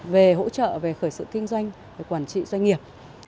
về hỗ trợ về khởi sự kinh doanh về quản trị doanh nghiệp